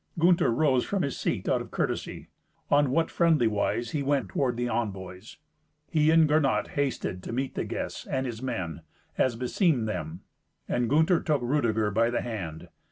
Gunther rose from his seat out of courtesy. On what friendly wise he went toward the envoys! He and Gernot hasted to meet the guests and his men, as beseemed them, and Gunther took Rudeger by the hand.